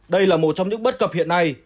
đây là một trong những bất cập hiện nay